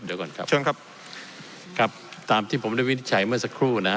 เดี๋ยวก่อนครับเชิญครับครับตามที่ผมได้วินิจฉัยเมื่อสักครู่นะฮะ